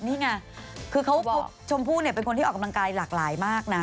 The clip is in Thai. นี่ไงคือเขาชมพู่เนี่ยเป็นคนที่ออกกำลังกายหลากหลายมากนะ